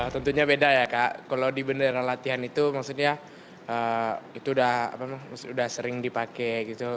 tentunya beda ya kak kalau di bendera latihan itu maksudnya itu udah sering dipakai gitu